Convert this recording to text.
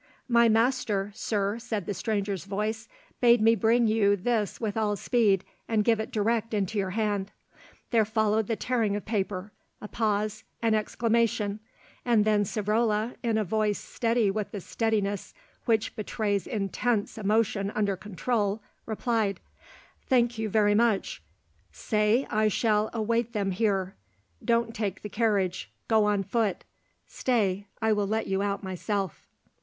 "My master, Sir," said a stranger's voice, "bade me bring you this with all speed and give it direct into your hand." There followed the tearing of paper, a pause, an exclamation, and then Savrola, in a voice steady with the steadiness which betrays intense emotion under control, replied: "Thank you very much; say I shall await them here. Don't take the carriage; go on foot, stay, I will let you out myself."